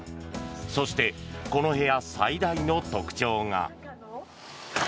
そしてこの部屋最大の特徴が。